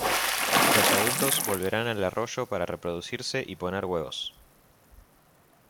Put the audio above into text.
Los adultos volverán al arroyo para reproducirse y poner huevos.